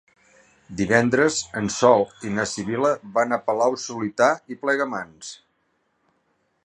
Divendres en Sol i na Sibil·la van a Palau-solità i Plegamans.